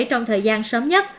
trong thời gian sớm nhất